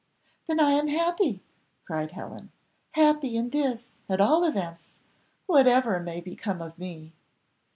"Then I am happy," cried Helen, "happy in this, at all events, whatever may become of me."